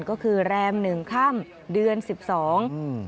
ก็คือแรมหนึ่งค่ำเดือนสิบสองอืม